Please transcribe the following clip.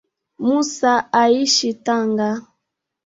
Mussa aishi Tanga